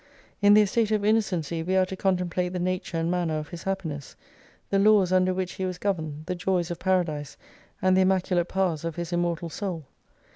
In the estate of innocency we are to contemplate the nature and manner of his happiness, the laws under which he was governed, the joys of paradise, and the immacu late powers of his immortal soul.